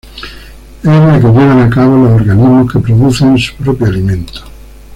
Es la que llevan a cabo los organismos que producen su propio alimento.